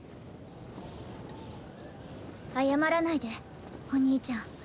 謝らないでお兄ちゃん。